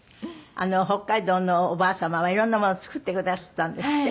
北海道のおばあ様はいろんなものを作ってくだすったんですって？